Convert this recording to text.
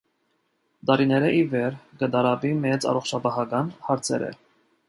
Տարիներէ ի վեր կը տառապի մեծ առողջապահական հարցերէ։